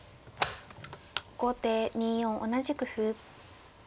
後手２四同じく歩。